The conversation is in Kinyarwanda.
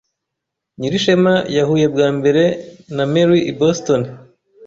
Nyirishema yahuye bwa mbere na Mary i Boston.